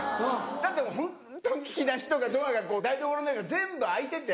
だってホントに引き出しとかドアがこう台所の中で全部開いてて。